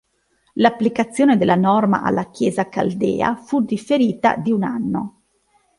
L'applicazione della norma alla Chiesa caldea fu differita di un anno.